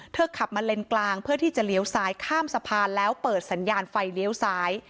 ขับมาเลนกลางเพื่อที่จะเลี้ยวซ้ายข้ามสะพานแล้วเปิดสัญญาณไฟเลี้ยวซ้าย